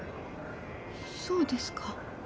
そうですか。